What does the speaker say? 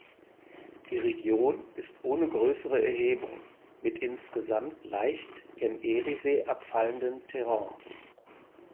Die Region ist ohne größere Erhebungen mit insgesamt leicht gen Eriesee abfallendem Terrain.